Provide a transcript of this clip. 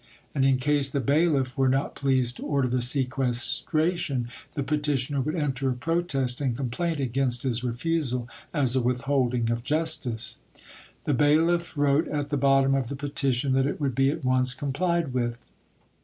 And in case the bailiff were not pleased to order the sequestration, the petitioner would enter a protest and complaint against his refusal as a withholding of justice. The bailiff wrote at the bottom of the petition that it would be at once complied with.